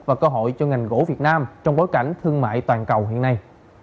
và cơ hội cho ngành gỗ việt nam trong bối cảnh thương mại toàn cầu hiện nay